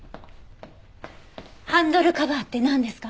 ハンドルカバーってなんですか？